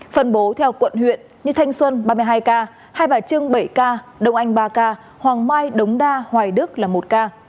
phân bố theo quận huyện như thanh xuân ba mươi hai ca hai bà trưng bảy ca đông anh ba ca hoàng mai đống đa hoài đức là một ca